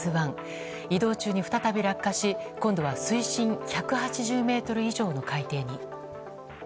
移動中に再び落下し今度は水深１８０ｍ以上の海底に。